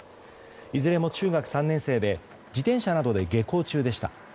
いずれも中学３年生で自転車などで下校中でした。